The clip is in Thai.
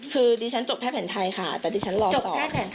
คือดิฉันจบแพทย์แผนไทยค่ะแต่ดิฉันรอสอบ